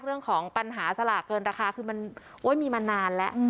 เรื่องของปัญหาสลากเกินราคาคือมันมีมานานแล้ว